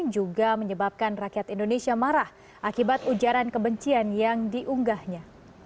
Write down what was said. juga menyebabkan rakyat indonesia marah akibat ujaran kebencian yang diunggahnya